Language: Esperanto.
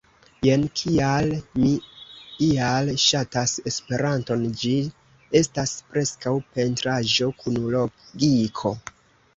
Jen kial mi ial ŝatas Esperanton ĝi estas preskaŭ pentraĵo kun logiko